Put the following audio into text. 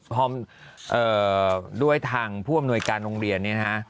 พร้อมด้วยทางผู้อำนวยการโรงเรียนเนี่ยนะฮะ